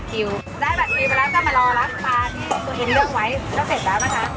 ที่ตัวเองเลือกไว้ก็เสร็จแล้วนะคะ